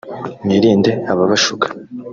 mwirinde ababashuka